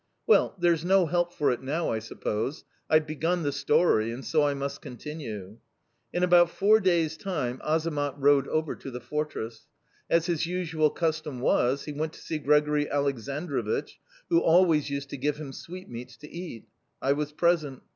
"Well, there's no help for it now, I suppose. I've begun the story, and so I must continue. "In about four days' time Azamat rode over to the fortress. As his usual custom was, he went to see Grigori Aleksandrovich, who always used to give him sweetmeats to eat. I was present.